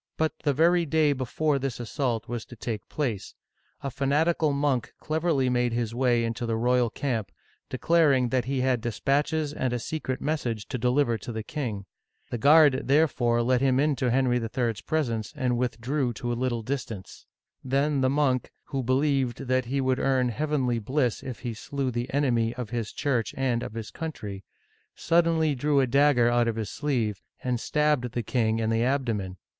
But the very day before this assault was to take place, a fanatical monk cleverly made his way into the royal camp, declaring that he had dispatches and a secret mes sage to deliver to the king. The guard therefore led him into Henry III.*s presence and withdrew to a little dis tance. Then the monk — who believed that he would earn heavenly bliss if he slew the enemy of his Church and of his country — suddenly drew a dagger out of his sleeve, and stabbed the king in the abdomen.